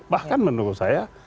bahkan menurut saya